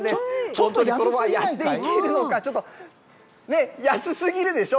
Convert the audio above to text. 本当にこれでやっていけるのか、ちょっと安すぎるでしょ。